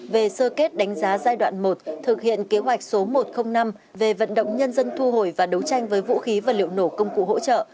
về sơ kết đánh giá giai đoạn một thực hiện kế hoạch số một trăm linh năm về vận động nhân dân thu hồi và đấu tranh với vũ khí và liệu nổ công cụ hỗ trợ